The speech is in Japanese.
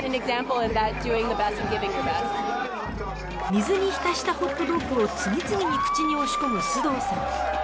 水に浸したホットドッグを次々に口に押し込む須藤さん。